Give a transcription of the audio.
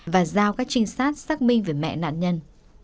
và giao các trinh sát xác minh về mẹ nạn nhân